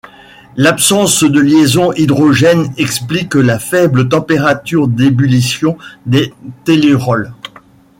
L'absence de liaison hydrogène explique la faible température d'ébullition des tellurols.